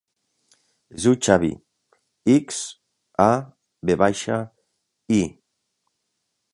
Es diu Xavi: ics, a, ve baixa, i.